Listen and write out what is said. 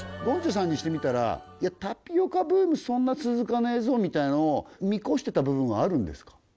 ゴンチャさんにしてみたらタピオカブームそんな続かねえぞみたいのを見越してた部分はあるんですか？